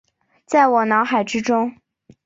在我脑海之中